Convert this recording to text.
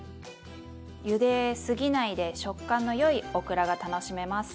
ゆですぎないで食感のよいオクラが楽しめます。